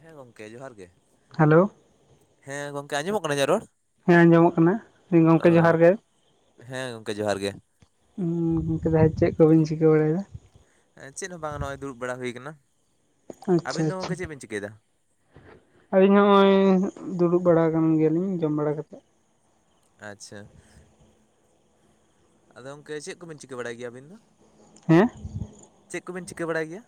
ᱦᱮᱸ ᱜᱚᱢᱠᱮ ᱡᱚᱦᱟᱨ ᱜᱮ ᱦᱮᱞᱳ ᱦᱮᱸ ᱜᱚᱢᱠᱮ ᱟᱸᱡᱚᱢᱚᱜ ᱠᱟᱱᱟ ᱤᱧᱟᱜ ᱨᱚᱲ ᱦᱮᱸ ᱟᱸᱡᱚᱢᱚᱜ ᱠᱟᱱᱟ ᱚ ᱜᱚᱝᱠᱮ ᱡᱚᱦᱟᱨ ᱜᱮ ᱦᱮᱸ ᱜᱚᱝᱠᱮ ᱡᱚᱦᱟᱨ ᱜᱮ ᱜᱚᱢᱠᱮ ᱪᱮᱫ ᱠᱚᱵᱤᱱ ᱪᱤᱠᱟᱹ ᱵᱟᱲᱟᱭᱫᱟ᱾ ᱪᱮᱫ ᱦᱚᱸ ᱵᱟᱝ ᱱᱚᱜᱼᱚᱭ ᱫᱩᱲᱩᱵ ᱵᱟᱲᱟ ᱦᱩᱭ ᱠᱟᱱᱟ᱾ ᱟᱪᱪᱷᱟ ᱟᱹᱵᱤᱱ ᱫᱚ ᱟᱪᱪᱷᱟ ᱜᱚᱝᱠᱮ ᱪᱮᱫ ᱵᱤᱱ ᱪᱤᱠᱟᱹᱭᱫᱟ᱾ ᱟᱹᱞᱤᱧ ᱦᱚᱸ ᱱᱚᱜᱼᱚᱭ ᱫᱩᱲᱩᱵ ᱵᱟᱲᱟ ᱠᱟᱱ ᱜᱮᱭᱟᱞᱤᱧ ᱡᱚᱢ ᱵᱟᱲᱟ ᱠᱟᱛᱮᱫ᱾ ᱟᱪᱪᱷᱟ ᱟᱫᱚ ᱜᱚᱢᱠᱮ ᱪᱮᱫ ᱠᱚᱵᱤᱱ ᱪᱤᱠᱟᱹ ᱵᱟᱲᱟᱭ ᱜᱮᱭᱟ ᱟᱹᱵᱤᱱ ᱫᱚ᱾ ᱦᱮᱸ ᱪᱮᱫ ᱠᱚᱵᱮᱱ ᱪᱤᱠᱟᱹ ᱵᱟᱲᱟᱭ ᱜᱮᱭᱟ?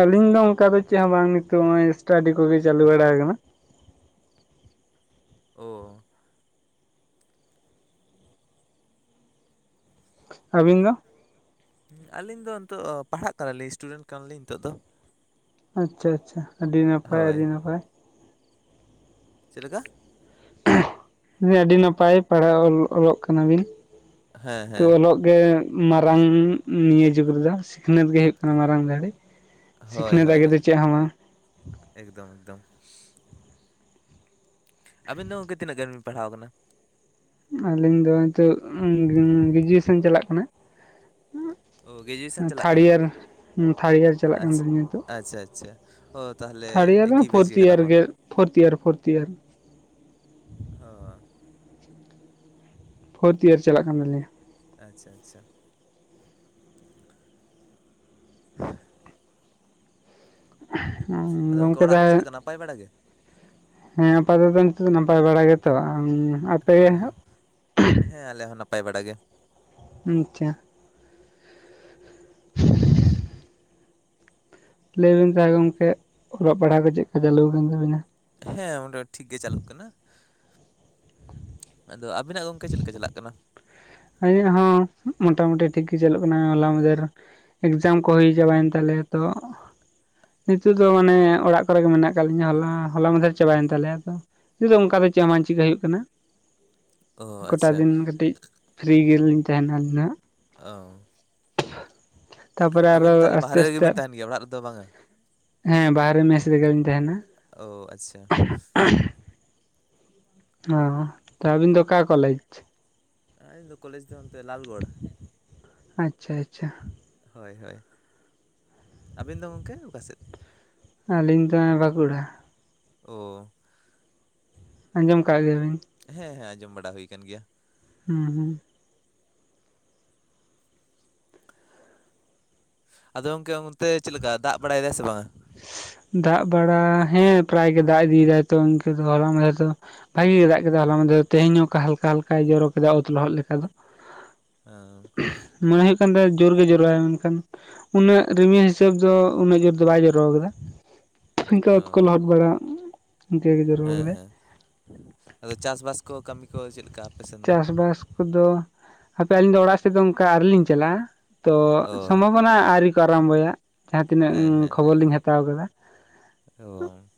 ᱟᱹᱞᱤᱧ ᱫᱚ ᱚᱱᱠᱟ ᱫᱚ ᱪᱮᱫ ᱦᱚᱸ ᱵᱟᱝ ᱱᱤᱛᱚᱜ ᱱᱚᱜᱼᱚᱭ ᱥᱴᱟᱰᱤ ᱠᱚᱜᱮ ᱪᱟᱹᱞᱩ ᱵᱟᱲᱟ ᱟᱠᱟᱱᱟ᱾ ᱚ ᱟᱹᱵᱤᱱ ᱫᱚ? ᱟᱹᱞᱤᱧ ᱫᱚ ᱱᱤᱛᱚᱜ ᱯᱟᱲᱦᱟᱜ ᱠᱟᱱᱟᱞᱤᱧ ᱤᱥᱴᱩᱰᱮᱱᱴ ᱠᱟᱱᱟᱞᱤᱧ ᱱᱤᱛᱚᱜ ᱫᱚ᱾ ᱟᱪᱷᱟ ᱟᱪᱷᱟ ᱟᱹᱰᱤ ᱱᱟᱯᱟᱭ ᱦᱳᱭ ᱟᱹᱰᱤ ᱱᱟᱯᱟᱭ᱾ ᱪᱮᱫ ᱞᱮᱠᱟ? [unintelligible] ᱟᱹᱰᱤ ᱱᱟᱯᱟᱭ ᱯᱟᱲᱦᱟᱣ ᱚᱞᱚᱜ ᱠᱟᱱᱟᱵᱤᱱ ᱦᱮᱸ ᱛᱚ ᱦᱮᱸ ᱚᱞᱚᱜ ᱜᱮ ᱢᱟᱨᱟᱝ ᱱᱤᱭᱟᱹ ᱡᱩᱜᱽ ᱨᱮᱫᱚ ᱥᱤᱠᱷᱱᱟᱹᱛ ᱜᱮ ᱦᱩᱭᱩᱜ ᱠᱟᱱᱟ ᱢᱟᱨᱟᱝ ᱫᱟᱹᱲᱮ᱾ ᱦᱳᱭ ᱦᱳᱭ ᱮᱠᱫᱚᱢ ᱮᱠᱫᱚᱢ ᱟᱹᱵᱤᱱ ᱫᱚ ᱜᱚᱝᱠᱮ ᱛᱤᱱᱟᱹᱜ ᱜᱟᱱ ᱵᱤᱱ ᱯᱟᱲᱦᱟᱣ ᱟᱠᱟᱱᱟ? ᱟᱹᱞᱤᱧ ᱫᱚ ᱱᱤᱛᱚᱜ ᱜᱨᱮᱡᱩᱭᱮᱥᱚᱱ ᱪᱟᱞᱟᱜ ᱠᱟᱱᱟ᱾ ᱚ ᱜᱨᱮᱡᱩᱭᱮᱥᱚᱱ ᱪᱟᱞᱟᱜ ᱛᱷᱟᱨᱰ ᱠᱟᱱᱟ ᱤᱭᱟᱨ ᱛᱷᱟᱨᱰ ᱤᱭᱟᱨ ᱪᱟᱞᱟᱜ ᱠᱟᱱ ᱛᱤᱧᱟ ᱱᱤᱛᱳᱜ᱾ ᱟᱪᱷᱟ ᱟᱪᱷᱟ ᱚ ᱛᱟᱦᱚᱞᱮ ᱛᱷᱟᱨᱰ ᱤᱭᱟᱨ ᱮᱠᱤ ᱵᱮᱪ ᱯᱷᱳᱨᱛᱷ ᱠᱟᱱᱟ ᱤᱭᱟᱨ ᱵᱚᱱ ᱜᱮ ᱯᱷᱳᱨᱛᱷ ᱤᱭᱟᱨ ᱯᱷᱳᱨᱛᱷ ᱤᱭᱟᱨ ᱚ ᱯᱷᱳᱨᱛ ᱤᱭᱟᱨ ᱪᱟᱞᱟᱜ ᱠᱟᱱ ᱛᱟᱞᱤᱧᱟᱹ᱾ ᱟᱪᱷᱟ ᱟᱪᱷᱟ [unintelligible] ᱟᱫᱚ ᱚᱱᱠᱟ ᱜᱚᱝᱠᱮ ᱚᱲᱟᱜ ᱨᱮ ᱪᱮᱫᱮ ᱛᱟᱦᱚᱞᱮ ᱞᱮᱠᱟ ᱱᱟᱯᱟᱭ ᱵᱟᱲᱟᱜ ᱜᱮ? ᱦᱮᱸ ᱟᱯᱟᱛᱚ ᱱᱤᱛᱚᱜ ᱫᱚ ᱱᱟᱯᱟᱭ ᱵᱟᱲᱟ ᱜᱮᱛᱚ᱾ ᱟᱯᱮ ᱦᱮᱸ ᱦᱮᱸ ᱟᱞᱮ ᱦᱚᱸ ᱱᱟᱯᱟᱭ ᱵᱟᱲᱟ ᱜᱮ᱾ ᱟᱪᱷᱟ ᱞᱟᱹᱭᱵᱮᱱ ᱛᱟᱦᱞᱮ ᱜᱚᱢᱠᱮ ᱚᱞᱚᱜ ᱯᱟᱲᱦᱟᱣ ᱠᱚ ᱪᱮᱫ ᱞᱮᱠᱟ ᱪᱟᱹᱞᱩ ᱟᱠᱟᱱ ᱛᱟᱹᱵᱤᱱᱟ? ᱦᱮᱸ ᱚᱸᱰᱮ ᱴᱷᱤᱠ ᱜᱮ ᱪᱟᱹᱞᱩᱜ ᱠᱟᱱᱟ᱾ ᱟᱫᱚ ᱟᱹᱵᱤᱱᱟᱜ ᱜᱚᱢᱠᱮ ᱪᱮᱫ ᱞᱮᱠᱟ ᱪᱟᱞᱟᱜ ᱠᱟᱱᱟ? ᱤᱧᱟᱹᱜ ᱦᱚᱸ ᱢᱚᱴᱟᱢᱩᱴᱤ ᱴᱷᱤᱠ ᱜᱮ ᱪᱟᱞᱚᱜ ᱠᱟᱱᱟ᱾ ᱦᱚᱞᱟ ᱢᱟᱦᱫᱮᱨ ᱮᱠᱡᱟᱢ ᱠᱚ ᱦᱩᱭ ᱪᱟᱵᱟᱭᱮᱱ ᱛᱟᱞᱮᱭᱟ ᱛᱚ ᱱᱤᱛᱚᱜ ᱫᱚ ᱢᱟᱱᱮ ᱚᱲᱟᱜ ᱠᱚᱨᱮᱜ ᱜᱮ ᱢᱮᱱᱟᱜ ᱟᱠᱟᱫ ᱞᱤᱧᱟ ᱦᱚᱞᱟ ᱦᱚᱞᱟ ᱢᱟᱫᱷᱮᱨ ᱪᱟᱵᱟᱭᱮᱱ ᱛᱟᱞᱮᱭᱟ ᱛᱚ᱾ [unintelligible] ᱫᱚ ᱚᱱᱠᱟ ᱫᱚ ᱪᱮᱫ ᱦᱚᱸ ᱵᱟᱝ ᱪᱤᱠᱟᱹ ᱦᱩᱭᱩᱜ ᱠᱟᱱᱟ᱾ ᱚ ᱜᱚᱴᱟ ᱟᱪᱪᱷᱟ ᱫᱤᱱ ᱠᱟᱹᱴᱤᱡ ᱯᱷᱨᱤ ᱜᱮᱞᱤᱧ ᱛᱟᱦᱮᱱᱟ ᱟᱹᱞᱤᱧ ᱦᱟᱸᱜ ᱾ ᱚ ᱛᱟᱨᱯᱚᱨᱮ ᱟᱨᱚ ᱟᱹᱵᱤᱱ ᱛᱟᱦᱚᱞᱮ ᱟᱥᱛᱮ ᱵᱟᱦᱨᱮ ᱨᱮᱜᱮ ᱟᱥᱛᱮ ᱵᱤᱱ ᱛᱟᱦᱮᱱ ᱜᱮᱭᱟ ᱚᱲᱟᱜ ᱨᱮᱫᱚ ᱵᱟᱝᱟ? ᱦᱮᱸ ᱵᱟᱨᱮ ᱢᱮᱥ ᱨᱮᱜᱮ ᱞᱤᱧ ᱛᱟᱦᱮᱱᱟ᱾ ᱚᱳ ᱟᱪᱷᱟ ᱚ ᱟᱹᱵᱤᱱ ᱫᱚ ᱚᱠᱟ ᱠᱚᱞᱮᱡᱽ? ᱟᱞᱤᱧ ᱫᱚ ᱠᱚᱞᱮᱡᱽ ᱫᱚ ᱦᱟᱱᱛᱮ ᱞᱟᱞᱜᱚᱲ ᱟᱪᱪᱷᱟ ᱟᱪᱪᱷᱟ ᱦᱳᱭ ᱦᱳᱭ ᱟᱹᱵᱤᱱ ᱫᱚ ᱜᱚᱢᱠᱮ ᱚᱠᱟᱥᱮᱫ? ᱟᱹᱞᱤᱧ ᱫᱚ ᱵᱟᱸᱠᱩᱲᱟ ᱳ ᱟᱸᱡᱚᱢ ᱟᱠᱟᱫ ᱜᱮᱭᱟᱵᱤᱱ? ᱦᱮᱸ ᱦᱮᱸ ᱟᱸᱡᱚᱢ ᱵᱟᱲᱟ ᱦᱩᱭ ᱠᱟᱱ ᱜᱮᱭᱟ ᱦᱩᱸ ᱦᱩᱸ ᱟᱫᱚ ᱜᱚᱝᱠᱮ ᱚᱱᱛᱮ ᱪᱮᱫ ᱞᱮᱠᱟ ᱫᱟᱜ ᱵᱟᱲᱟᱭ ᱫᱟᱭ ᱥᱮ ᱵᱟᱝᱟ? ᱫᱟᱜ ᱵᱟᱲᱟ ᱦᱮᱸ ᱯᱨᱟᱭ ᱜᱮ ᱫᱟᱜ ᱤᱫᱤᱭᱮᱫᱟᱭᱛᱚ ᱤᱱᱠᱟᱹ ᱤᱱᱠᱟᱹ ᱦᱚᱞᱟ ᱢᱟᱫᱷᱮᱨ ᱫᱚ ᱵᱷᱟᱜᱤ ᱜᱮ ᱫᱟᱜ ᱠᱮᱫᱟ ᱦᱚᱞᱟᱢᱟᱫᱷᱮᱨ ᱛᱮᱦᱧ ᱚᱱᱠᱟ ᱦᱟᱞᱠᱟ ᱦᱟᱞᱠᱟᱭ ᱡᱚᱨᱚ ᱠᱮᱫᱟ ᱚᱛ ᱞᱚᱦᱚᱫ ᱞᱮᱠᱟ ᱫᱚ ᱦᱟᱸ ᱢᱚᱱᱮ ᱦᱩᱭᱩᱜ ᱠᱟᱱ ᱛᱟᱭᱟ ᱡᱳᱨᱜᱮ ᱡᱚᱨᱟᱭ ᱢᱮᱱᱠᱷᱟᱱ ᱩᱱᱟᱹᱜ ᱨᱤᱢᱤᱭᱟᱹ ᱦᱤᱥᱟᱹᱵᱽ ᱫᱚ ᱩᱱᱟᱹᱜ ᱡᱳᱨ ᱫᱚ ᱵᱟᱭ ᱡᱚᱨᱟ, [inaudible] ᱤᱱᱠᱟ ᱚ ᱚᱛ ᱠᱚ ᱞᱚᱦᱚᱫ ᱵᱟᱲᱟ ᱤᱱᱠᱟᱹ ᱜᱮ ᱡᱚᱨᱚ ᱦᱮᱸ ᱠᱟᱫᱟᱭ ᱦᱮᱸ ᱟᱫᱚ ᱪᱟᱥᱵᱟᱥ ᱠᱚ ᱠᱟᱹᱢᱤ ᱠᱚ ᱪᱮᱫ ᱞᱮᱠᱟ? ᱟᱯᱮ ᱥᱮᱱ ᱫᱚ? ᱪᱟᱥᱵᱟᱥ ᱠᱚᱫᱚ ᱦᱟᱯᱮ ᱟᱹᱞᱤᱧ ᱫᱚ ᱚᱲᱟᱜ ᱥᱮᱫ ᱫᱚ ᱚᱱᱠᱟ ᱟᱹᱣᱨᱤ ᱞᱤᱧ ᱪᱟᱞᱟᱜᱼᱟ ᱛᱚ ᱚ ᱥᱚᱢᱵᱷᱚᱵᱚᱱᱟ ᱟᱹᱣᱨᱤ ᱠᱚ ᱟᱨᱟᱢᱵᱚᱭᱟ ᱡᱟᱦᱟᱸᱛᱤᱱᱟᱹᱜ ᱦᱮᱸ ᱦᱮᱸ ᱠᱷᱚᱵᱚᱨ ᱞᱤᱧ ᱦᱟᱛᱟᱣ ᱟᱠᱟᱫᱟ ᱚ [inaudible]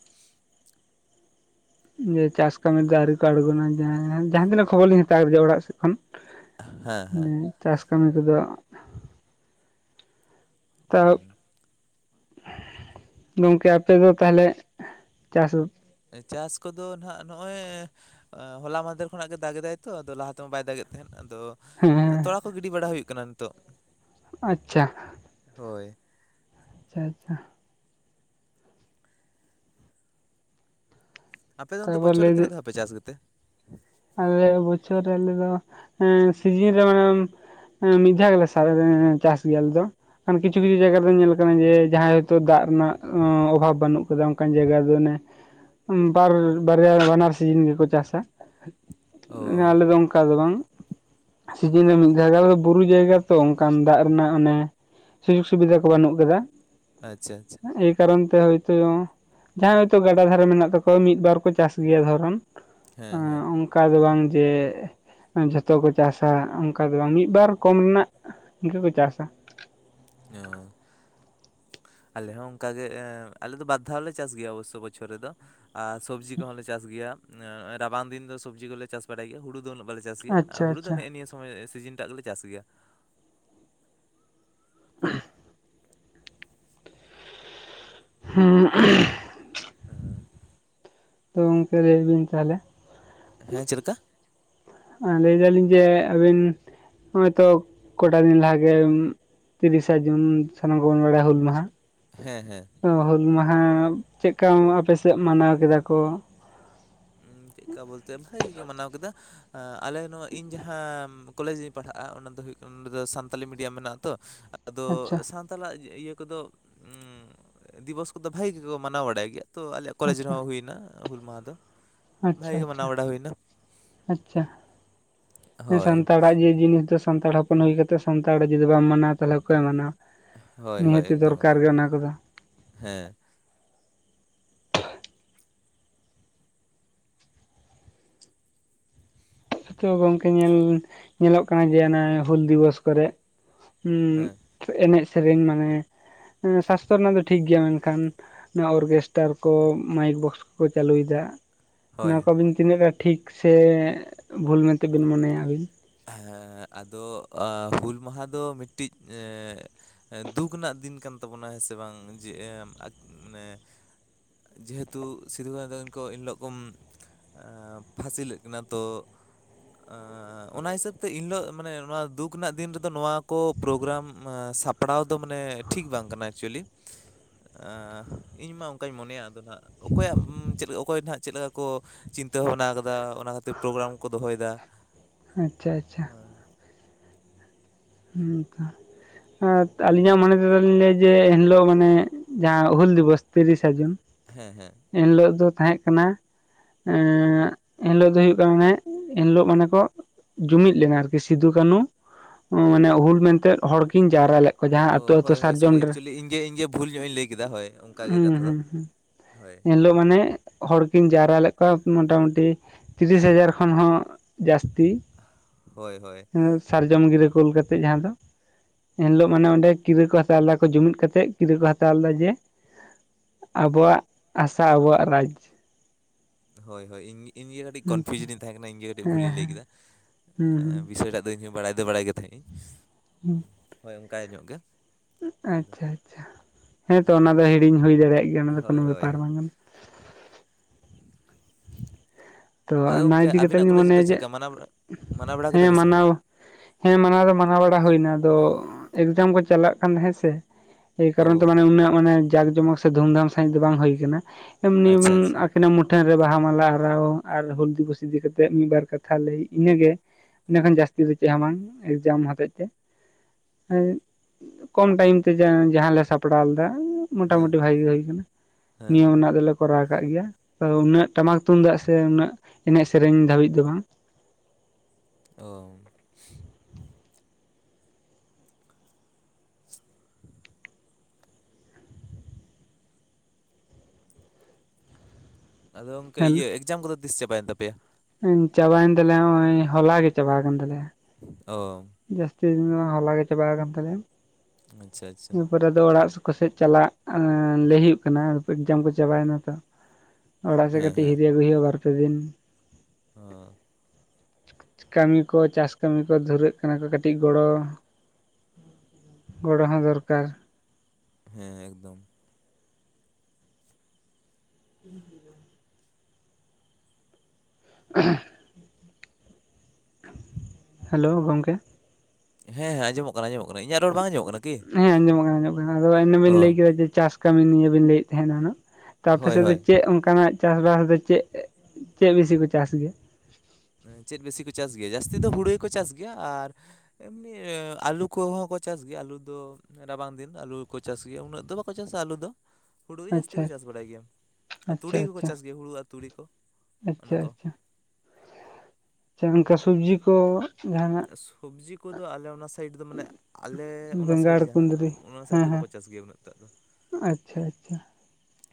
ᱡᱮ ᱪᱟᱥ ᱠᱟᱹᱢᱤ ᱨᱮ ᱫᱚ ᱟᱹᱣᱨᱤ ᱠᱚ ᱟᱬᱜᱚᱱᱟ ᱡᱟᱦᱟᱸ ᱛᱤᱱᱟᱹᱜ ᱠᱷᱚᱵᱚᱨ ᱞᱤᱧ ᱦᱟᱛᱣᱠᱟᱫᱟ ᱚᱲᱟᱜ ᱥᱮᱫ ᱠᱷᱚᱱ, ᱦᱮᱸ ᱪᱟᱥ ᱠᱟᱹᱢᱤ ᱠᱚᱫᱚ ᱛ [inaudible] ᱦᱩᱸ ᱜᱚᱝᱠᱮ ᱟᱯᱮ ᱫᱚ ᱛᱟᱦᱚᱞᱮ ᱪᱟᱥ ᱪᱟᱥ ᱠᱚᱫᱚ ᱱᱷᱟᱸᱜ ᱱᱚᱜᱼᱚᱭ ᱦᱚᱞᱟ ᱢᱟᱦᱫᱮᱨ ᱠᱷᱚᱱᱟᱜ ᱜᱮ ᱫᱟᱜ ᱮᱫᱟᱭ ᱛᱚ ᱞᱟᱦᱟ ᱛᱮᱢᱟ ᱵᱟᱭ ᱫᱟᱜ ᱮ ᱛᱟᱦᱮᱸᱫ ᱟᱫᱚ ᱦᱮᱸ ᱛᱚᱲᱟ ᱠᱚ ᱜᱤᱰᱤ ᱵᱟᱲᱟ ᱦᱩᱭᱩᱜ ᱠᱟᱱᱟ ᱱᱤᱛᱚᱜ ᱟᱪᱪᱷᱟ ᱦᱳᱭ ᱟᱪᱪᱷᱟ ᱟᱪᱪᱷᱟ ᱟᱯᱮ ᱫᱚ ᱚᱱᱛᱮ ᱛᱟᱨᱯᱚᱨ ᱵᱚᱪᱚᱨ ᱞᱟᱹᱭ ᱨᱮ ᱛᱱᱟᱹᱜ ᱫᱷᱟ ᱯᱮ ᱪᱟᱥ ᱜᱮᱛᱮ, ᱟᱞᱮ ᱵᱚᱪᱷᱚᱨ ᱨᱮ ᱟᱞᱮᱚ ᱥᱤᱡᱤᱱ ᱨᱮ ᱢᱟᱱᱮ ᱦᱮᱸ ᱢᱤᱫᱷᱟ ᱜᱮᱞ ᱥᱟᱨᱮ ᱪᱟᱥ ᱜᱮᱭᱟ ᱟᱞᱮᱫᱚ ᱠᱷᱟᱱ ᱠᱤᱪᱷᱩ ᱠᱤᱪᱷᱩ ᱡᱟᱭᱜᱟ ᱨᱮ ᱫᱚ ᱧᱮᱞ ᱠᱟᱱᱟ ᱡᱮ ᱡᱟᱦᱟᱸᱭ ᱦᱚᱭᱛᱳ ᱫᱟᱜ ᱨᱮᱱᱟᱜ ᱚᱵᱷᱟᱵ ᱵᱟᱹᱱᱩᱜ ᱟᱠᱟᱫᱟ ᱚᱱᱠᱟᱱ ᱡᱟᱭᱜᱟ ᱨᱮ ᱚᱱᱮ, ᱵᱟᱨ ᱵᱟᱨᱭᱟ ᱵᱟᱱᱟᱨ ᱥᱤᱡᱚᱱ ᱜᱮᱠᱚ ᱪᱟᱥᱟ ᱚ ᱟᱞᱮᱫᱚ ᱚᱱᱠᱟ ᱫᱚ ᱵᱟᱝ ᱥᱤᱡᱤᱱ ᱨᱮ ᱢᱤᱫ ᱡᱟᱭᱜᱟ ᱫᱚ ᱵᱩᱨᱩ ᱡᱟᱭᱜᱟ ᱛᱚ ᱚᱱᱠᱟᱱ ᱫᱟᱜ ᱨᱮᱱᱟᱜ ᱚᱱᱮ, ᱥᱩᱡᱳᱜᱽ ᱥᱩᱵᱤᱫᱷᱟ ᱠᱚ ᱵᱟᱹᱱᱩᱜ ᱟᱠᱟᱫᱟ ᱟᱪᱪᱷᱟ ᱟᱪᱪᱷᱟ ᱮᱭ ᱠᱟᱨᱚᱱ ᱛᱮ ᱦᱳᱭᱛᱚ ᱡᱟᱦᱟᱸᱭ ᱦᱚᱭᱛᱚ ᱜᱟᱰᱟ ᱫᱷᱟᱨᱮ ᱢᱮᱱᱟᱜ ᱛᱟᱠᱚᱣᱟ ᱢᱤᱫᱵᱟᱨ ᱠᱚ ᱪᱟᱥ ᱜᱮᱭᱟ ᱫᱷᱚᱨᱚᱱ ᱦᱮᱸ ᱦᱮᱸ ᱚᱱᱠᱟ ᱫᱚ ᱵᱟᱝ ᱡᱮ ᱡᱷᱚᱛᱚ ᱠᱚ ᱪᱟᱥᱟ ᱚᱱᱠᱟ ᱫᱚ ᱵᱟᱝ ᱢᱤᱫ ᱵᱟᱨ ᱠᱚᱢ ᱨᱮᱱᱟᱜ ᱤᱱᱠᱟᱹ ᱠᱚ ᱪᱟᱥᱟ, ᱚ ᱟᱞᱮ ᱦᱚᱸ ᱚᱱᱠᱟ ᱜᱮ ᱟᱞᱮ ᱫᱚ ᱵᱟᱨ ᱫᱷᱟᱣ ᱞᱮ ᱪᱟᱥ ᱜᱮᱭᱟ ᱚᱵᱚᱥᱥᱳᱚ ᱵᱚᱪᱷᱚᱨ ᱨᱮᱫᱚ ᱟᱨ ᱥᱚᱵᱡᱤ ᱠᱚᱦᱚᱸᱞᱮ ᱪᱟᱥ ᱜᱮᱭᱟ ᱨᱟᱵᱟᱝ ᱫᱤᱱ ᱫᱚ ᱥᱚᱵᱽᱡᱤ ᱠᱚᱞᱮ ᱪᱟᱥ ᱵᱟᱲᱟᱭ ᱜᱮᱭᱟ ᱦᱩᱲᱩ ᱫᱚ ᱩᱱᱟᱹᱜ ᱵᱟᱞᱮ ᱪᱟᱥ ᱪᱟᱥ ᱜᱮᱭᱟ ᱟᱨ ᱟᱪᱪᱷᱟ ᱦᱩᱲᱩ ᱫᱚ ᱟᱪᱪᱷᱟ ᱱᱮᱜᱼ ᱱᱤᱭᱟᱹ ᱥᱚᱢᱚᱭ ᱥᱤᱡᱤᱱ ᱴᱟᱜ ᱜᱮᱞᱮ ᱪᱟᱥ ᱜᱮᱭᱟ [inaudible] [unintelligible] ᱟᱨ [inaudible] ᱛᱚ ᱜᱚᱢᱠᱮ ᱞᱟᱹᱭ ᱵᱤᱱ ᱛᱟᱦᱚᱞᱮ ᱦᱮᱸ ᱪᱮᱫ ᱞᱮᱠᱟ ᱞᱟᱹᱭ ᱫᱟᱞᱤᱧ ᱡᱮ ᱟᱹᱵᱤᱱ ᱦᱚᱸᱜ-ᱚᱭ ᱛᱚ ᱠᱚᱴᱟ ᱫᱤᱱ ᱞᱟᱦᱟᱜᱮ ᱛᱤᱨᱤᱥᱟ ᱡᱩᱱ ᱥᱟᱱᱟᱢ ᱠᱚᱵᱚᱱ ᱵᱟᱲᱟᱭᱟ ᱦᱩᱞ ᱢᱟᱦᱟ ᱦᱮᱸ ᱦᱮᱸ ᱛᱚ ᱦᱩᱞ ᱢᱟᱦᱟᱸ ᱪᱮᱫᱠᱟ ᱟᱯᱮᱥᱮᱫ ᱢᱟᱱᱟᱣ ᱠᱮᱫᱟ ᱠᱚ᱾ ᱪᱮᱫ ᱞᱮᱠᱟ ᱵᱚᱞᱛᱮ ᱵᱷᱟᱜᱮ ᱠᱚ ᱢᱟᱱᱟᱣ ᱠᱮᱫᱟ᱾ ᱟᱞᱮ ᱱᱚᱣᱟ ᱤᱧ ᱡᱟᱦᱟᱸ ᱠᱚᱞᱮᱡᱽ ᱤᱧ ᱯᱟᱲᱦᱟᱜᱼᱟ᱾ ᱚᱱᱟ ᱫᱚ ᱦᱩᱭᱩᱜ ᱠᱟᱱᱟ᱾ ᱱᱚᱰᱮ ᱫᱚ ᱥᱟᱱᱛᱟᱞᱤ ᱢᱤᱰᱤᱭᱟᱢ ᱢᱮᱱᱟᱜᱼᱟ ᱛᱚ ᱟᱫᱚ ᱟᱪᱪᱷᱟ ᱥᱛᱟᱞᱟᱜ ᱤᱭᱟᱹ ᱠᱚᱫᱚ ᱫᱤᱵᱚᱥ ᱠᱚᱫᱚ ᱵᱷᱟᱜᱮ ᱜᱮᱠᱚ ᱢᱟᱱᱟᱣ ᱵᱟᱲᱟᱭ ᱜᱮᱭᱟ᱾ ᱛᱚ ᱟᱞᱮ ᱠᱚᱞᱮᱡᱽ ᱟᱪᱪᱷᱟ ᱨᱮᱦᱚᱸ ᱦᱩᱭ ᱮᱱᱟ ᱦᱩᱞ ᱢᱟᱦᱟᱸ ᱫᱚ᱾ ᱟᱪᱪᱷᱟ ᱵᱷᱟᱜᱮ ᱜᱮ ᱢᱟᱱᱟᱣ ᱵᱟᱲᱟ ᱦᱩᱭᱱᱟ ᱟᱪᱪᱷᱟ ᱦᱳᱭ ᱥᱟᱱᱛᱟᱲᱟᱜ ᱡᱮ ᱡᱤᱱᱤᱥ ᱫᱚ ᱥᱟᱱᱛᱟᱲ ᱦᱚᱯᱚᱱ ᱦᱩᱭ ᱠᱟᱛᱮᱫ ᱥᱟᱱᱛᱟᱲ ᱡᱩᱫᱤ ᱵᱟᱢ ᱢᱟᱱᱟᱣᱟ, ᱛᱟᱦᱚᱞᱮ ᱚᱠᱚᱭᱮ ᱢᱟᱱᱟᱣᱟ᱾ ᱦᱳᱭ ᱦᱳᱭ ᱱᱤᱦᱟᱹᱛ ᱮᱠᱫᱚᱢ ᱫᱚᱨᱠᱟᱨ ᱮᱠᱫᱚᱢ ᱜᱮ ᱚᱱᱟ ᱠᱚᱫᱚ᱾ ᱦᱮᱸ ᱜᱚᱝᱠᱮ ᱧᱮᱞ ᱧᱮᱞᱚᱜ ᱠᱟᱱᱟ᱾ ᱡᱮ ᱦᱩᱞ ᱫᱤᱵᱚᱥ ᱠᱚᱨᱮᱜ ᱦᱮᱸ ᱮᱱᱮᱡ ᱥᱮᱨᱮᱧ ᱢᱟᱱᱮ ᱥᱟᱥᱛᱷᱚ ᱨᱮᱱᱟᱜ ᱫᱚ ᱴᱷᱤᱠ ᱜᱮᱭᱟ᱾ ᱢᱮᱱᱠᱷᱟᱱ ᱚᱱᱟ ᱚᱨᱠᱮᱥᱴᱟᱨ ᱠᱚ ᱢᱟᱭᱤᱠ ᱵᱚᱠᱥ ᱠᱚᱠᱚ ᱪᱟᱹᱞᱩᱭᱮᱫᱟ᱾ ᱦᱳᱭ ᱱᱚᱣᱟ ᱠᱚ ᱟᱹᱵᱤᱱ ᱛᱤᱱᱟᱹᱜ ᱜᱟᱱ ᱴᱷᱤᱠ ᱥᱮ ᱵᱷᱩᱞ ᱢᱮᱱᱛᱮ ᱵᱤᱱ ᱢᱚᱱᱮᱭᱟ ᱟᱹᱵᱤᱱ᱾ ᱦᱮᱸ ᱟᱫᱚ ᱦᱩᱞ ᱢᱟᱦᱟ ᱫᱚ ᱢᱤᱫᱴᱤᱡ ᱮᱻ ᱫᱩᱠ ᱨᱮᱱᱟᱜ ᱫᱤᱱ ᱠᱟᱱ ᱛᱟᱵᱚᱱᱟ ᱦᱮᱸ ᱥᱮ ᱵᱟᱝ ᱡᱮ ᱢᱟᱱᱮ ᱡᱮᱦᱮᱛᱩ ᱥᱤᱫᱩ ᱠᱟᱹᱱᱩ ᱛᱟᱹᱠᱤᱱ ᱠᱚ ᱮᱱᱦᱤᱞᱳᱜ ᱠᱚ ᱯᱷᱟᱥᱤᱞᱮᱫ ᱠᱤᱱᱟᱹ ᱛᱚ ᱮᱻ ᱚᱱᱟ ᱦᱤᱥᱟᱹᱵᱽ ᱛᱮ ᱮᱱᱦᱤᱞᱳᱜ ᱢᱟᱱᱮ ᱱᱚᱣᱟ ᱫᱩᱠ ᱨᱮᱱᱟᱜ ᱫᱤᱱ ᱨᱮᱫᱚ ᱱᱚᱣᱟ ᱠᱚ ᱯᱨᱳᱜᱨᱟᱢ ᱥᱟ ᱯᱲᱟᱣ ᱫᱚ ᱢᱟᱱᱮ ᱴᱷᱤᱠ ᱵᱟᱝ ᱠᱟᱱᱟ ᱮᱠᱪᱩᱭᱮᱞᱤ᱾ ᱤᱧ ᱢᱟ ᱚᱱᱠᱟᱧ ᱢᱚᱱᱮᱭᱟ ᱟᱫᱚ ᱱᱟᱦᱟᱸᱜ ᱚᱠᱚᱭᱟᱜ ᱪᱮᱫ ᱞᱮᱠᱟ ᱚᱠᱚᱭ ᱱᱟᱦᱟᱸᱜ ᱪᱮᱫ ᱞᱮᱠᱟ ᱠᱚ ᱪᱤᱱ ᱛᱟᱹ ᱵᱷᱟᱵᱽᱱᱟ ᱟᱠᱟᱫᱟ᱾ ᱚᱱᱟ ᱠᱷᱟᱹᱛᱤᱨ ᱯᱨᱳᱜᱨᱟᱢ ᱠᱚ ᱫᱚᱦᱚᱭ ᱫᱟ᱾ ᱟᱪᱪᱷᱟ ᱟᱪᱪᱷᱟ ᱟᱨ ᱦᱩᱸ ᱛᱚ ᱟᱹᱞᱤᱧᱟᱜ ᱢᱚᱱᱮ ᱞᱟᱹᱭᱟ ᱡᱮ ᱮᱱᱦᱤᱞᱳᱜ ᱢᱟᱱᱮ ᱡᱟᱦᱟᱸ ᱦᱩᱞ ᱫᱤᱵᱚᱥ ᱛᱤᱨᱤᱥᱟ ᱡᱩᱱ ᱦᱮᱸ ᱦᱮᱸ ᱮᱱᱦᱤᱞᱚᱜ ᱫᱚ ᱛᱟᱦᱮᱸᱜ ᱠᱟᱱᱟ᱾ ᱮᱸᱻ ᱮᱱᱦᱤᱞᱳᱜ ᱫᱚ ᱦᱩᱭᱩᱜ ᱠᱟᱱᱟ ᱢᱟᱱᱮ ᱮᱱᱦᱤᱞᱳᱜ ᱢᱟᱱᱮ ᱠᱚ ᱡᱩᱢᱤᱫ ᱞᱮᱱᱟ ᱟᱨᱠᱤ ᱥᱤᱫᱩ ᱠᱟᱹᱱᱩ ᱢᱟᱱᱮ ᱦᱩᱞ ᱢᱮᱱᱛᱮᱫ ᱦᱚᱲᱠᱤᱱ ᱡᱟᱣᱨᱟ ᱞᱮᱫ ᱠᱚᱣᱟ ᱡᱟᱦᱟᱸ ᱚ ᱟᱛᱳ ᱟᱛᱳ ᱦᱳᱭ ᱦᱳᱭ ᱥᱟᱨᱡᱚᱢ ᱥᱚᱨᱤ ᱰᱟᱹᱨ ᱮᱠᱪᱩᱭᱮᱞᱤ ᱤᱧᱜᱮ ᱤᱧᱜᱮ ᱵᱷᱩᱞ ᱧᱚᱜ ᱤᱧ ᱞᱟᱹᱭ ᱠᱮᱫᱟ ᱦᱳᱭ ᱚᱱᱠᱟᱜᱮ ᱦᱩᱸ ᱠᱟᱛᱷᱟ ᱫᱚ ᱦᱩᱸ ᱦᱩᱸ ᱦᱳᱭ ᱮᱱᱦᱤᱞᱳᱜ ᱢᱟᱱᱮ ᱦᱚᱲᱠᱤᱱ ᱡᱟᱣᱨᱟ ᱞᱮᱫ ᱠᱚᱣᱟ᱾ ᱢᱚᱴᱟᱢᱚᱴᱤ ᱛᱤᱨᱤᱥ ᱦᱟᱡᱟᱨ ᱠᱷᱚᱱ ᱦᱚᱸ ᱡᱟᱹᱥᱛᱤ᱾ ᱦᱳᱭ ᱦᱳᱭ ᱥᱟᱨᱡᱚᱢ ᱜᱤᱨᱟᱹ ᱠᱳᱞ ᱠᱟᱛᱮᱜ ᱡᱟᱦᱟᱸ ᱫᱚ ᱮᱱᱦᱤᱞᱳ ᱢᱟᱱᱮ ᱚᱸᱰᱮ ᱠᱤᱨᱟᱹ ᱠᱚ ᱦᱟᱛᱟᱣ ᱞᱮᱫᱟ ᱡᱩᱢᱤᱫ ᱠᱟᱛᱮᱜ ᱠᱤᱨᱟᱹ ᱠᱚ ᱦᱟᱛᱟᱣ ᱞᱮᱫᱟ ᱡᱮ ᱟᱵᱚᱣᱟᱜ ᱟᱥᱟ ᱟᱵᱚᱣᱟᱜ ᱨᱟᱡᱽ ᱦᱳᱭ ᱦᱳᱭ ᱤᱧᱜᱮ ᱠᱟᱹᱴᱤᱡ ᱦᱮᱸ ᱠᱚᱱᱯᱷᱤᱭᱩᱡᱽ ᱨᱤᱧ ᱛᱟᱦᱮᱸ ᱠᱟᱱᱟ ᱤᱧ ᱜᱮ ᱠᱟᱹᱴᱤᱡ ᱦᱮᱸ ᱵᱷᱩᱞᱤᱧ ᱞᱟᱹᱭ ᱠᱮᱫᱟ᱾ ᱦᱩᱸ ᱦᱩᱸ ᱵᱤᱥᱚᱜ ᱴᱟᱜ ᱤᱧᱦᱚᱸ ᱵᱟᱲᱟᱭ ᱫᱚ ᱵᱟᱲᱟᱭ ᱜᱮ ᱛᱟᱦᱮᱸᱱᱤᱧ ᱦᱩᱸ ᱦᱳᱭ ᱚᱱᱠᱟ ᱧᱚᱜ ᱜᱮ ᱤᱭᱟᱹ ᱫᱚ᱾ ᱟᱪᱪᱷᱟ ᱟᱪᱪᱷᱟ ᱦᱮᱸᱛᱚ ᱚᱱᱟ ᱫᱚ ᱦᱤᱲᱤᱧ ᱦᱩᱭ ᱫᱟᱲᱮᱭᱟᱜ ᱜᱮᱭᱟ᱾ ᱚᱱᱟ ᱫᱚ ᱠᱳᱱᱳ ᱦᱳᱭ ᱦᱳᱭ ᱵᱮᱯᱟᱨ ᱵᱟᱝ ᱠᱟᱱᱟ᱾ ᱛᱚ ᱟᱫᱚ ᱚᱱᱟ ᱜᱚᱝᱠᱮ ᱤᱫᱤ ᱠᱟᱛᱮᱜ ᱟᱵᱤᱱᱟᱜ ᱞᱤᱧ ᱠᱚᱞᱮᱡᱽ ᱫᱚ ᱢᱚᱱᱮᱭᱟ᱾ ᱪᱮᱫ ᱡᱮ ᱞᱮᱠᱟ ᱢᱟᱱᱟᱣ ᱵᱟ- ᱢᱟᱱᱟᱣ ᱵᱟᱲᱟ ᱦᱮᱸ ᱠᱮᱫᱟ ᱠᱚ ᱥᱮ ᱵᱟᱝ ᱢᱟᱱᱟᱣ ᱦᱮᱸ ᱢᱟᱱᱟᱣ ᱫᱚ ᱢᱟᱱᱟᱣ ᱵᱟᱲᱟ ᱦᱩᱭᱱᱟ᱾ ᱟᱫᱚ ᱮᱠᱡᱟᱢ ᱠᱚ ᱪᱟᱞᱟᱜ ᱠᱟᱱ ᱦᱮᱸ ᱥᱮ ᱮᱭ ᱚ ᱠᱟᱨᱚᱱ ᱛᱮ ᱢᱟᱱᱮ ᱩᱱᱟᱹᱜ ᱢᱟᱱᱮ ᱡᱟᱠ ᱡᱚᱢᱚᱠ ᱥᱮ ᱫᱷᱩᱢᱫᱷᱟᱢ ᱥᱟᱹᱦᱤᱡ ᱫᱚ ᱵᱟᱝ ᱦᱩᱭ ᱟᱠᱟᱱᱟ᱾ ᱮᱢᱱᱤ ᱟᱪᱪᱷᱟ ᱟᱪᱪᱷᱟ ᱟᱹᱠᱤᱱᱟᱜ [unintelligible] ᱢᱩᱴᱷᱟᱹᱱ ᱨᱮ ᱵᱟᱦᱟ ᱢᱟᱞᱟ ᱟᱨᱟᱣ ᱟᱨ ᱦᱩᱞ ᱫᱤᱵᱚᱥ ᱤᱫᱤ ᱠᱟᱛᱮᱜ ᱢᱤᱫᱵᱟᱨ ᱠᱟᱛᱷᱟ ᱞᱟᱹᱭ ᱤᱱᱟᱹᱜᱮ ᱤᱱᱟᱹᱠᱷᱟᱱ ᱡᱟᱹᱥᱛᱤ ᱫᱚ ᱪᱮᱫ ᱦᱚᱸ ᱵᱟᱝ ᱮᱠᱡᱟᱢ ᱦᱚᱛᱮᱡ ᱛᱮ᱾ ᱮᱸᱜ ᱠᱚᱢ ᱴᱟᱭᱤᱢ ᱛᱮ ᱡᱟᱦᱟᱸ ᱞᱮ ᱥᱟᱯᱲᱟᱣ ᱞᱮᱫᱟ᱾ ᱦᱮᱸ ᱢᱚᱴᱟᱢᱩᱴᱤ ᱵᱷᱟᱹᱜᱤ ᱜᱮ ᱦᱩᱭ ᱠᱟᱱᱟ᱾ ᱦᱮᱸ ᱱᱤᱭᱚᱢ ᱨᱮᱱᱟᱜ ᱫᱚᱞᱮ ᱠᱚᱨᱟᱣ ᱠᱟᱫ ᱜᱮᱭᱟ᱾ ᱩᱱᱟᱹᱜ ᱴᱟᱢᱟᱠ ᱛᱩᱢᱫᱟᱜ ᱛᱮ ᱩᱱᱟᱹᱜ ᱮᱱᱮᱡ ᱥᱮᱨᱮᱧ ᱫᱷᱟᱹᱵᱤᱡ ᱫᱚ ᱵᱟᱝ᱾ ᱚᱻ [inaudible] ᱟᱫᱚ ᱜᱚᱢᱠᱮ ᱦᱮᱞᱳ ᱤᱭᱟᱹ ᱮᱠᱡᱟᱢ ᱠᱚᱫᱚ ᱛᱤᱥ ᱪᱟᱵᱟᱭᱮᱱ ᱛᱟᱯᱮᱭᱟ? ᱪᱟᱵᱟᱭᱮᱱ ᱛᱟᱞᱮᱭᱟ ᱦᱚᱜ-ᱚᱸᱭ ᱦᱚᱞᱟ ᱜᱮ ᱪᱟᱵᱟ ᱠᱟᱱ ᱛᱟᱞᱮᱭᱟ ᱾ ᱚ ᱾ ᱡᱟᱹᱥᱛᱤ ᱫᱤᱱ ᱫᱚ ᱵᱟᱝ, ᱦᱚᱞᱟ ᱜᱮ ᱪᱟᱵᱟ ᱠᱟᱱ ᱛᱟᱞᱮᱭᱟ ᱾ ᱟᱪᱪᱷᱟ ᱟᱪᱪᱷᱟ ᱾ ᱨᱮᱫᱚ ᱚᱲᱟᱜ ᱠᱚᱥᱮᱫ ᱪᱟᱞᱟᱜ ᱞᱟᱹᱭ ᱦᱩᱭᱩᱜ ᱠᱟᱱᱟ ᱮᱠᱡᱟᱢ ᱠᱚ ᱪᱟᱵᱟᱭ‌ ᱱᱟ ᱛᱚ ᱾ ᱚᱲᱟᱜ ᱥᱮᱫ ᱦᱮᱸ ᱠᱟᱹᱴᱤᱡ ᱦᱤᱨᱤ ᱟᱹᱜᱩᱭ ᱦᱩᱭᱩᱜᱼᱟ ᱵᱟᱨᱯᱮ ᱫᱤᱱ ᱾ ᱚᱻ ᱾ ᱠᱟᱹᱢᱤ ᱠᱚ, ᱪᱟᱥ ᱠᱟᱹᱢᱤ ᱠᱚ ᱫᱷᱩᱨᱟᱹᱜ ᱠᱟᱱᱟ ᱠᱚ, ᱠᱟᱹᱴᱤᱡ ᱜᱚᱲᱚ ᱜᱚᱲᱚ ᱦᱚᱸ ᱫᱚᱨᱠᱟᱨ ᱾ ᱦᱮᱸ ᱮᱠᱫᱚᱢ ᱾ [unintelligible] [inaudible] ᱦᱮᱞᱳ ᱜᱚᱝᱠᱮ ᱾ ᱦᱮᱸ ᱦᱮᱸ ᱟᱸᱡᱚᱢᱚᱜ ᱠᱟᱱᱟ ᱟᱡᱸᱚᱢ ᱠᱟᱱᱟ, ᱤᱧᱟᱹᱜ ᱨᱚᱲ ᱵᱟᱝ ᱟᱸᱚᱢᱚᱜ ᱠᱟᱱᱟ? ᱠᱤ ᱦᱮᱸ ᱟᱸᱡᱚᱢᱚᱜ ᱠᱟᱱᱟ ᱟᱸᱡᱚᱢᱚᱜ ᱠᱟᱱᱟ ᱟᱫᱚ ᱤᱱᱟᱹ ᱵᱤᱱ ᱞᱟᱹᱭ ᱚ ᱠᱮᱫᱟ ᱡᱮ ᱪᱟᱥ ᱠᱟᱹᱢᱤ ᱱᱤᱭᱮ ᱵᱤᱱ ᱞᱟᱹᱭ ᱮᱫ ᱛᱟᱦᱮᱸᱱᱟ ᱦᱟᱸᱜ ᱾ ᱛᱚ ᱦᱳᱭ ᱟᱯᱮᱥᱮᱫ ᱫᱚ ᱦᱳᱭ ᱪᱮᱫ ᱚᱱᱠᱟᱱᱟᱜ ᱪᱟᱥᱵᱟᱥ ᱫᱚ ᱪᱮᱫ, ᱪᱮᱫ ᱵᱤᱥᱤ ᱠᱚ ᱪᱟᱥ ᱜᱮᱭᱟ? ᱪᱮᱫ ᱵᱮᱥᱤ ᱠᱚ ᱪᱟᱥ ᱜᱮᱭᱟ, ᱡᱟᱹᱥᱛᱤ ᱫᱚ ᱦᱩᱬᱩ ᱜᱮᱠᱚ ᱪᱟᱥ ᱜᱮᱭᱟ ᱾ ᱟᱨ ᱮᱢᱱᱤ ᱟᱹᱞᱩ ᱠᱚᱦᱚᱸ ᱠᱚ ᱪᱟᱥ ᱜᱮᱭᱟ, ᱟᱹᱞᱩ ᱫᱚ ᱨᱟᱵᱟᱝ ᱫᱤᱱ ᱟᱹᱞᱩ ᱠᱚ ᱪᱟᱥ ᱜᱮᱭᱟ, ᱩᱱᱟᱹᱜ ᱫᱚ ᱵᱟᱠᱚ ᱪᱟᱥᱟ ᱟᱹᱞᱩ ᱫᱚ ᱾ ᱦᱩᱲᱩ ᱜᱮ ᱡᱟᱹᱥᱛᱤ ᱟᱪᱪᱷᱟ ᱠᱚ ᱪᱟᱥ ᱵᱟᱲᱟᱭ ᱜᱮᱭᱟ ᱟᱨ ᱟᱪᱪᱷᱟ ᱛᱩᱲᱤ ᱠᱚᱠᱚ ᱟᱪᱪᱷᱟ ᱪᱟᱥ ᱜᱮᱭᱟ ᱦᱩᱲᱩ ᱟᱨ ᱛᱩᱲᱤ ᱠᱚ ᱟᱪᱪᱷᱟ ᱚᱱᱟᱠᱚ ᱾ ᱥᱮ ᱚᱱᱠᱟ ᱥᱩᱵᱽᱡᱤ ᱠᱚ ᱡᱟᱦᱟᱱᱟᱜ ᱥᱚᱵᱽᱡᱤ ᱠᱚᱫᱚ ᱟᱞᱮ ᱚᱱᱟ ᱥᱟᱭᱤᱰ ᱫᱚ ᱢᱟᱱᱮ ᱟᱞᱮ ᱚᱱᱟ ᱥᱟᱭᱤᱰ ᱵᱮᱸᱜᱟᱲ ᱡᱟᱦᱟᱸ, ᱠᱩᱸᱫᱽᱨᱤ ᱚᱱᱟ ᱥᱟᱭᱤᱰ ᱦᱮᱸ ᱫᱚ ᱦᱮᱸ ᱵᱟᱠᱚ ᱪᱟᱥ ᱜᱮᱭᱟ ᱩᱱᱟᱹᱜ ᱴᱟᱜ ᱫᱚ ᱾ ᱟᱪᱪᱷᱟ ᱟᱪᱪᱷᱟ ᱾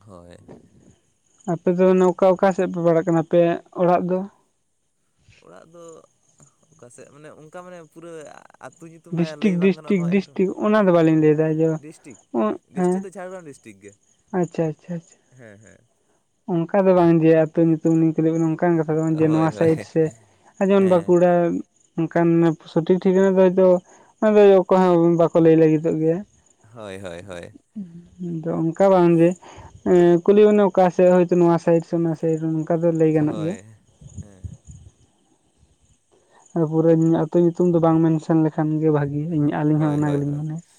ᱦᱳᱭ ᱾ ᱟᱯᱮ ᱫᱚ ᱚᱱᱟ ᱚᱠᱟ ᱚᱠᱟ ᱥᱮᱫ ᱯᱮ ᱯᱟᱲᱟᱜ ᱠᱟᱱᱟ ᱟᱯᱮ ᱚᱲᱟᱜ ᱫᱚ? ᱚᱲᱟᱜ ᱫᱚ ᱚᱠᱟ ᱥᱮᱫ ᱢᱟᱱᱮ ᱚᱱᱠᱟ ᱢᱟᱱᱮ ᱯᱩᱨᱟᱹ ᱟᱹ ᱛᱩ ᱧᱩᱛᱩ ᱢᱟᱭᱟ ᱰᱤᱥᱴᱤᱠ ᱞᱟᱹᱭ ᱵᱟᱝ ᱜᱟᱱᱚᱜᱼᱟ ᱰᱤᱥᱴᱤᱠ ᱱᱚᱣᱟ ᱮᱯ ᱨᱮᱢᱟ ᱰᱤᱥᱴᱤᱠ ᱚᱱᱟ ᱫᱚ ᱵᱟᱹᱞᱤᱧ ᱞᱟᱹᱭᱫᱟ ᱡᱮ ᱾ ᱰᱤᱥᱴᱤᱠ ᱰᱤᱥᱴᱨᱤᱠ ᱫᱚ ᱡᱷᱟᱲᱜᱨᱟᱢ ᱰᱤᱥᱴᱨᱤᱠ ᱜᱮ ᱾ ᱟᱪᱷᱟ ᱟᱪᱪᱷᱟ ᱟᱪᱪᱷᱟ ᱾ ᱦᱮᱸ ᱦᱮᱸ ᱾ ᱚᱱᱠᱟ ᱫᱚ ᱵᱟᱝ ᱡᱮ ᱟᱹᱛᱩ ᱧᱩᱛᱩᱢ ᱞᱤᱧ ᱠᱩᱞᱤ ᱵᱤᱱᱟ ᱚᱱᱠᱟᱱ ᱠᱟᱛᱷᱟ ᱫᱚ ᱵᱟᱝ ᱡᱮ ᱦᱳᱭ ᱱᱚᱣᱟ ᱦᱳᱭ ᱥᱟᱭᱤᱰ ᱥᱮ ᱟᱨ ᱡᱮᱢᱚᱱ ᱦᱮᱸ ᱵᱟᱸᱠᱩᱲᱟ ᱚᱱᱠᱟᱱ ᱥᱚᱴᱷᱤᱠ ᱴᱷᱤᱠᱱᱟ ᱫᱚ ᱦᱚᱭᱛᱚ ᱚᱱᱟ ᱫᱚ ᱚᱠᱚᱭ ᱦᱚᱸ ᱵᱟᱠᱚ ᱞᱟᱹᱭ ᱞᱟᱹᱜᱤᱫᱚᱜ ᱜᱮᱭᱟ ᱾ ᱦᱳᱭ ᱦᱳᱭ ᱦᱳᱭ ᱾ ᱫᱚ ᱚᱱᱠᱟ ᱵᱟᱝ ᱡᱮ ᱮ ᱠᱩᱞᱤ ᱢᱚᱱᱮ ᱚᱠᱟ ᱥᱮᱮᱫ ᱦᱚᱭᱛᱚ ᱱᱚᱶᱟ ᱥᱟᱭᱤᱰ ᱥᱮ ᱚᱱᱟ ᱥᱟᱭᱤᱰ ᱱᱚᱝᱠᱟ ᱫᱚ ᱞᱟᱹᱭ ᱜᱟᱱᱚᱜ ᱜᱮᱭᱟ ᱦᱳᱭ ᱾ ᱦᱮᱸ ᱦᱮᱸ ᱾ ᱟᱫᱚ ᱯᱩᱨᱟᱹ ᱟᱹᱛᱩ ᱧᱩᱛᱩᱢ ᱫᱚ ᱵᱟᱝ ᱢᱮᱱᱥᱮᱱ ᱞᱮᱠᱷᱟᱱ ᱜᱮ ᱵᱷᱟᱜᱤ ᱾ [unintelligible] ᱟᱹᱞᱤᱧ ᱦᱚᱸ ᱦᱳᱭ ᱚᱱᱟ ᱦᱳᱭ ᱜᱮᱞᱤᱧ ᱦᱳᱭ ᱢᱚᱱᱮᱭ ᱾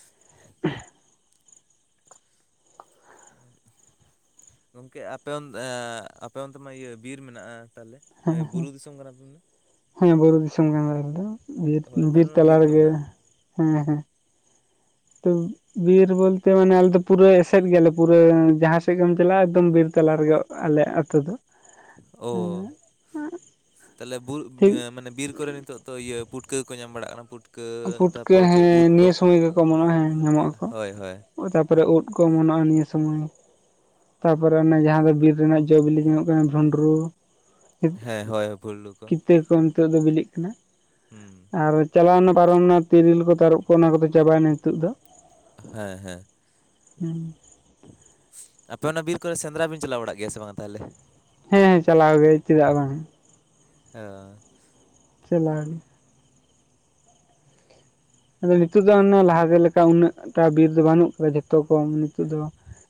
ᱜᱚᱝᱠᱮ ᱟᱯᱮ ᱮ ᱟᱯᱮ ᱚᱱᱛᱮ ᱢᱟ ᱤᱭᱟᱹ ᱵᱤᱨ ᱢᱮᱱᱟᱜᱼᱟ ᱛᱟᱦᱚᱞᱮ? ᱮᱸ ᱵᱩᱨᱩ ᱫᱤᱥᱚᱢ ᱠᱟᱱᱟ ᱯᱮ ᱢᱟᱱᱮ ᱾ ᱦᱮᱸ ᱵᱩᱨᱩ ᱫᱤᱥᱚᱢ ᱠᱟᱱᱟᱞᱮ ᱟᱞᱮ ᱫᱚ ᱵᱤᱨ ᱦᱳᱭ ᱵᱤᱨ ᱛᱟᱦᱚᱞᱮ ᱚᱱᱟ ᱛᱟᱞᱟ ᱠᱚ ᱨᱮᱜᱮ, ᱢᱮᱱᱟᱜᱼᱟ ᱦᱮᱸ ᱦᱮᱸ ᱾ ᱛᱩᱢ ᱵᱤᱨ ᱵᱚᱞᱛᱮ ᱢᱟᱱᱮ ᱟᱞᱮᱚ ᱯᱩᱨᱟᱹ ᱮᱥᱮᱫ ᱜᱮᱭᱟᱞᱮ ᱯᱩᱨᱟᱹ ᱡᱟᱦᱟᱸ ᱥᱮᱫ ᱜᱮᱢ ᱪᱟᱞᱟᱜᱼᱟ ᱮᱠᱫᱚᱢ ᱵᱤᱨ ᱛᱟᱞᱟ ᱨᱮᱜᱮ ᱟᱞᱮ ᱟᱛᱳ ᱫᱚ ᱾ ᱚ ᱛᱟᱦᱞᱮ ᱵᱩ ᱴᱷᱤᱠ ᱢᱟᱱᱮ ᱵᱤᱨ ᱠᱚᱨᱮ ᱱᱤᱛᱚᱜ ᱫᱚ ᱤᱭᱟᱹ ᱯᱩᱴᱠᱟᱹ ᱠᱚᱠᱚ ᱧᱟᱢ ᱵᱟᱲᱟᱜ ᱠᱟᱱᱟ, ᱯᱩᱴ ᱯᱩᱩᱴᱠᱟᱹ ᱦᱮᱸ ᱱᱤᱭᱟᱹ ᱥᱚᱢᱚᱭ ᱜᱮᱠᱚ ᱚᱢᱚᱱᱚᱜᱼᱟ ᱦᱮᱸ ᱧᱟᱢᱚᱜ ᱟᱠᱚ ᱦᱳᱭ ᱦᱳᱭ ᱛᱟᱯᱚᱨᱮ ᱩᱫ ᱠᱚ ᱚᱢᱚᱱᱚᱜᱼᱟ ᱱᱤᱭᱟᱹ ᱥᱩᱢᱚᱭ ᱛᱟᱯᱚᱨᱮ ᱚᱱᱮ ᱡᱟᱦᱟᱸ ᱫᱚ ᱵᱤᱨ ᱨᱮᱱᱟᱜ ᱡᱚᱼᱵᱤᱞᱤ ᱧᱟᱢᱚᱜ ᱠᱟᱱᱟ ᱵᱷᱩᱸᱰᱨᱩ ᱦᱮᱸ ᱦᱳᱭ ᱯᱩᱞᱞᱩ ᱠᱚ ᱛᱮ ᱨᱚᱠᱚᱢ ᱱᱤᱛᱚᱜ ᱫᱚ ᱵᱤᱞᱤᱜ ᱠᱟᱱᱟ ᱦᱩᱸ ᱟᱨ ᱪᱟᱞᱟᱣᱱᱟ ᱯᱟᱨᱚᱢᱮᱱᱟ ᱛᱤᱨᱤᱞ ᱠᱚ ᱛᱟᱨᱚᱵ ᱠᱚ ᱚᱱᱟ ᱠᱚᱫᱚ ᱪᱟᱵᱟᱭᱮᱱᱟ ᱱᱤᱛᱚᱜ ᱫᱚ ᱦᱮᱸ ᱦᱮᱸ ᱦᱮᱸ ᱟᱯᱮ ᱚᱱᱟ ᱵᱤᱨ ᱠᱚᱨᱮ ᱥᱮᱸᱫᱽᱨᱟ ᱵᱩᱱ ᱪᱟᱞᱟᱣ ᱵᱟᱲᱟᱜ ᱜᱮᱭᱟ ᱥᱮ ᱵᱟᱝ ᱛᱟᱦᱚᱞᱮ ᱦᱮᱸ ᱦᱮᱸ ᱪᱟᱞᱟᱣ ᱜᱮ ᱪᱮᱫᱟᱜ ᱵᱟᱝ ᱚᱻ ᱪᱟᱞᱟᱣ ᱜᱮ ᱟᱫᱚ ᱱᱤᱛᱚᱜ ᱫᱚ ᱚᱱᱮ ᱞᱟᱦᱟ ᱛᱮ ᱞᱮᱠᱟ ᱩᱱᱟᱹᱜ ᱴᱟ ᱵᱤᱨ ᱫᱚ ᱵᱟᱹᱱᱩᱜ ᱟᱠᱟᱫᱟ ᱡᱷᱚᱛᱚ ᱠᱚ ᱱᱤᱛᱚᱜ ᱫᱚ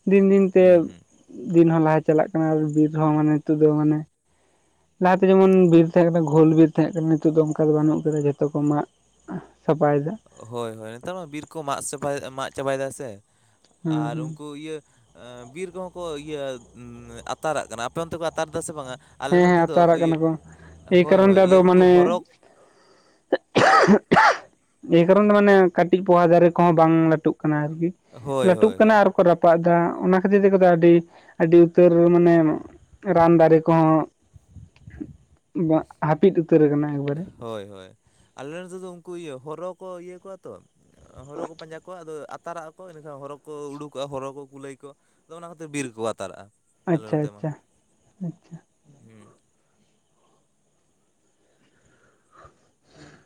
ᱫᱤᱱ ᱫᱤᱱ ᱛᱮ ᱦᱩᱸ ᱦᱩᱸ ᱫᱤᱱ ᱦᱚᱸ ᱞᱟᱦᱟ ᱪᱟᱞᱟᱜ ᱠᱟᱱᱟ ᱵᱤᱨ ᱦᱚᱸ ᱢᱟᱱᱮ ᱱᱤᱛᱚᱜ ᱫᱚ ᱢᱟᱱᱮ ᱞᱟᱦᱟᱛᱮ ᱡᱮᱢᱚᱱ ᱵᱤᱨ ᱛᱟᱦᱮᱸ ᱠᱟᱱᱟ ᱜᱷᱳᱞ ᱵᱤᱨ ᱛᱟᱦᱮᱸ ᱠᱟᱱᱟ ᱱᱤᱛᱚᱜ ᱫᱚ ᱚᱱᱠᱟ ᱫᱚ ᱵᱟᱹᱱᱩᱜ ᱟᱠᱟᱫᱟ ᱡᱷᱚᱛᱚ ᱠᱚ ᱢᱟᱜ ᱥᱟᱯᱟᱭ ᱫᱟ ᱦᱳᱭ ᱦᱳᱭ ᱱᱮᱛᱟᱨ ᱢᱟ ᱵᱤᱨ ᱠᱚ ᱢᱟᱜ ᱪᱟᱵᱟᱭ ᱢᱟᱜ ᱪᱟᱵᱟᱭᱮᱫᱟᱭ ᱥᱮ ᱦᱩᱸ ᱟᱨ ᱦᱩᱸ ᱩᱱᱠᱩ ᱤᱭᱟᱹ ᱵᱤᱨ ᱠᱚᱦᱚᱸ ᱠᱚ ᱤᱭᱟᱹ ᱟᱛᱟᱨᱟᱜ ᱠᱟᱱᱟ ᱟᱯᱮ ᱚᱱᱛᱮ ᱠᱚ ᱟᱛᱟᱨ ᱮᱫᱟ ᱥᱮ ᱵᱟᱝᱟ ᱟᱞᱮ ᱦᱮᱸ ᱱᱚᱛᱮ ᱦᱮᱸ ᱟᱛᱟᱨ ᱫᱚ ᱤᱭᱟᱹ ᱟᱠᱟᱱᱟ ᱠᱚ ᱮᱭ ᱦᱳᱭ ᱠᱟᱨᱚᱱ ᱛᱮ ᱦᱳᱭ ᱤᱭᱟᱹ ᱟᱫᱚ ᱩᱱᱠᱩ ᱢᱟᱱᱮ ᱦᱚᱨᱚ ᱪᱮᱫ ᱜᱚᱝᱠᱮ ᱮ ᱠᱟᱨᱚᱱ ᱫᱚ ᱢᱟᱱᱮ ᱠᱟᱹᱴᱤᱡ ᱯᱚᱦᱟ ᱫᱟᱨᱮ ᱠᱚᱦᱚᱸ ᱵᱟᱝ ᱞᱟᱹᱴᱩᱜ ᱠᱟᱱᱟ ᱟᱨᱠᱤ ᱦᱳᱭ ᱞᱟᱹᱴᱩᱜ ᱦᱳᱭ ᱠᱟᱱᱟ ᱦᱳᱭ ᱟᱨᱠᱚ ᱨᱟᱯ ᱛᱚᱯᱟᱜ ᱮᱫᱟ ᱚᱱᱟ ᱠᱷᱟᱹᱛᱤᱨ ᱛᱮ ᱟᱹᱰᱤ ᱟᱹᱰᱤ ᱩᱛᱟᱹᱨ ᱢᱟᱱᱮ ᱨᱟᱱ ᱫᱟᱨᱮ ᱠᱚᱦᱚᱸ ᱦᱟᱹᱯᱤᱫ ᱩᱛᱟᱹᱨ ᱟᱠᱟᱱᱟ ᱮᱠᱵᱟᱨᱮ ᱦᱳᱭ ᱦᱳᱭ ᱟᱞᱮ ᱱᱚᱛᱮ ᱫᱚ ᱩᱱᱠᱩ ᱤᱭᱟᱹ ᱦᱚᱨᱚ ᱠᱚ ᱤᱭᱟᱹ ᱠᱚᱣᱟ ᱛᱚ ᱦᱚᱨᱚ ᱠᱚ ᱯᱟᱸᱡᱟ ᱠᱚᱣᱟ ᱟᱫᱚ ᱟᱛᱟᱨᱟᱜᱼᱟ ᱠᱚ ᱮᱱᱟ ᱠᱷᱟᱱ ᱦᱚᱨᱚ ᱠᱚ ᱩᱰᱩᱠᱚᱜᱼᱟ ᱦᱚᱨᱚ ᱠᱚ ᱠᱩᱞᱟᱹᱭ ᱠᱚ ᱟᱫᱚ ᱚᱱᱟ ᱠᱷᱟᱹᱛᱤᱨ ᱵᱤᱨ ᱨᱮᱠᱚ ᱟᱛᱟᱨᱟᱜᱼᱟ ᱟᱞᱮ ᱟᱪᱪᱷᱟ ᱱᱚᱛᱮ ᱢᱟ ᱟᱪᱪᱷᱟ ᱟᱪᱪᱷᱟ ᱦᱩᱸ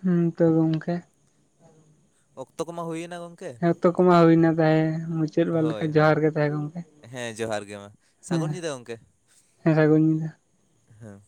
ᱦᱩᱸ ᱛᱚ ᱜᱚᱢᱠᱮ ᱚᱠᱛᱚ ᱠᱚᱢᱟ ᱦᱩᱭᱮᱱᱟ ᱜᱚᱝᱠᱮ ᱦᱮᱸ ᱚᱠᱛᱚ ᱠᱚᱢᱟ ᱦᱩᱭᱱᱟ ᱛᱟᱦᱮᱸ ᱢᱩᱪᱟᱹᱫ ᱵᱮᱲᱟ ᱞᱮᱠᱟ ᱦᱳᱭ ᱦᱳᱭ ᱡᱚᱦᱟᱨ ᱜᱮ ᱛᱟᱦᱮ ᱜᱚᱢᱠᱮ ᱦᱮᱸ ᱡᱚᱦᱟᱨ ᱜᱮ ᱢᱟ ᱥᱟᱹᱜᱩᱱ ᱦᱮᱸ ᱧᱤᱸᱫᱟ ᱜᱚᱢᱠᱮ ᱦᱮᱸ ᱥᱟᱹᱜᱩᱱ ᱧᱤᱸᱫᱟ ᱦᱮᱸ